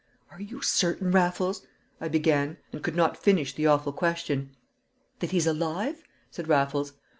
"Are you certain, Raffles?" I began, and could not finish the awful question. "That he's alive?" said Raffles.